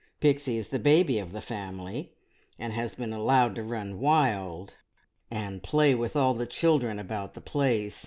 "Pixie is the baby of the family, and has been allowed to run wild, and play with all the children about the place.